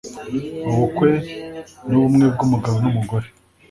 Ubukwe nubumwe bwumugabo numugore